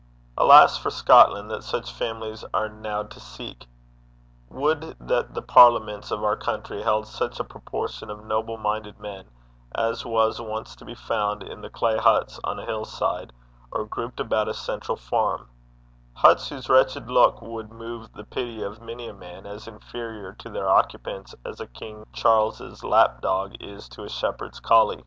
Alas for Scotland that such families are now to seek! Would that the parliaments of our country held such a proportion of noble minded men as was once to be found in the clay huts on a hill side, or grouped about a central farm, huts whose wretched look would move the pity of many a man as inferior to their occupants as a King Charles's lap dog is to a shepherd's colley.